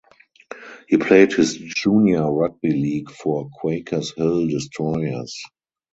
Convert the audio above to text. He played his junior rugby league for Quakers Hill Destroyers.